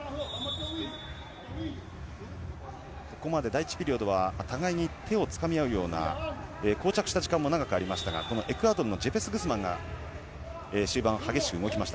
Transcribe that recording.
ここまで第１ピリオドは互いに手をつかみ合うようなこう着した時間も長くありましたがエクアドルのジェペス・グスマンが激しく動きました。